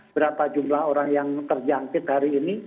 berapa jumlah orang yang terjangkit hari ini